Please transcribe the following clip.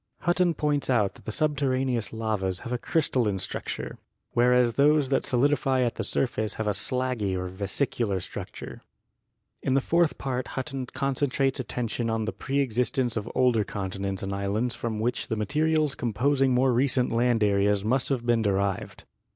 Hutton points out that the 62 GEOLOGY subterraneous lavas have a crystalline structure, whereas those that solidify at the surface have a slaggy or vesicular structure. In the fourth part Hutton concentrates attention on the preexistence of older continents and islands from which the materials composing more recent land areas must have been derived.